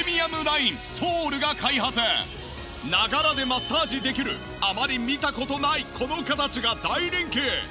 マッサージできるあまり見た事ないこの形が大人気！